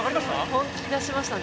本気出しましたね。